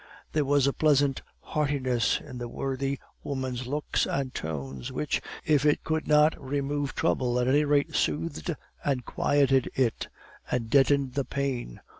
There was a pleasant heartiness in the worthy woman's looks and tones, which, if it could not remove trouble, at any rate soothed and quieted it, and deadened the pain.